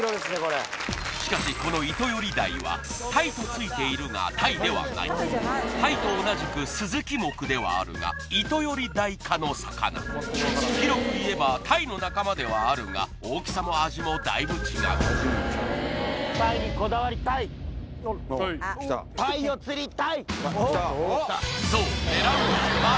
しかしこのイトヨリダイはタイと同じくスズキ目ではあるがイトヨリダイ科の魚広くいえばタイの仲間ではあるが大きさも味もだいぶ違うそう釣れた！